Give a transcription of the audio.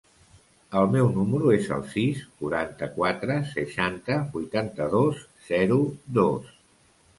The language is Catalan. El meu número es el sis, quaranta-quatre, seixanta, vuitanta-dos, zero, dos.